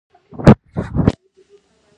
ازادي راډیو د د جګړې راپورونه پرمختګ سنجولی.